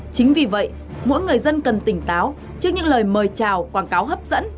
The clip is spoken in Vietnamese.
chính vì vậy mỗi người dân cần tỉnh táo trước những lời mời chào quảng cáo hấp dẫn